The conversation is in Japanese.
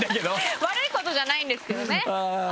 悪いことじゃないんですけどね。